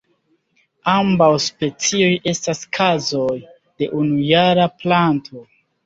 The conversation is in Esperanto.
Ambaŭ specioj estas kazoj de unujara planto.